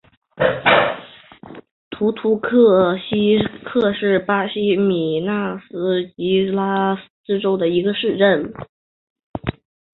蓬图希克是巴西米纳斯吉拉斯州的一个市镇。